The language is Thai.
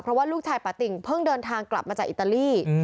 เพราะว่าลูกชายปาติ่งเพิ่งเดินทางกลับมาจากอิตาลี